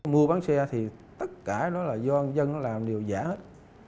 mua bán xe thì tất cả đó là do dân làm điều giả hết